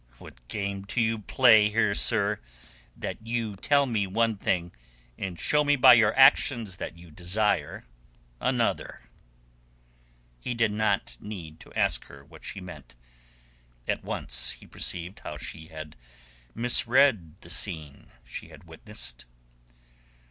What game do you play here, sir, that you tell me one thing and show me by your actions that you desire another?" He did not need to ask her what she meant. At once he perceived how she had misread the scene she had witnessed.